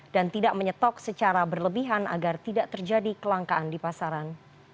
dan tidak menyetok secara berlebihan agar tidak terjadi kelangkaan di pasaran